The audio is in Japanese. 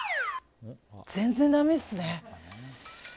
全然ダメっすね。